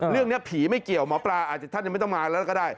เรื่องนี้ผีไม่เกี่ยวหมอปลาอาจจะท่านยังไม่ต้องมาแล้วก็ได้